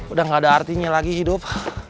udah gak ada artinya lagi hidup